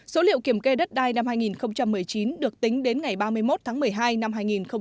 số liệu kiểm kê đất đai năm hai nghìn một mươi chín được tính đến ngày ba mươi một tháng một mươi hai năm hai nghìn một mươi chín